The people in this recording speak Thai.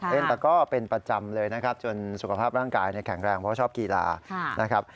ตะก้อเป็นประจำเลยนะครับจนสุขภาพร่างกายแข็งแรงเพราะชอบกีฬานะครับ